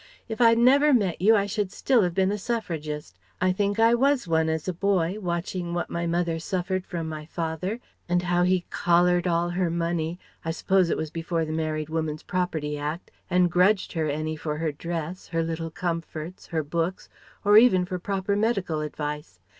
If I'd never met you I should still have been a Suffragist. I think I was one, as a boy, watching what my mother suffered from my father, and how he collared all her money I suppose it was before the Married Woman's Property Act and grudged her any for her dress, her little comforts, her books, or even for proper medical advice.